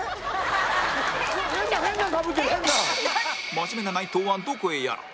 真面目な内藤はどこへやら